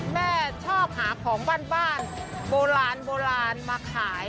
แม่ชอบหาของบ้านโบราณโบราณมาขาย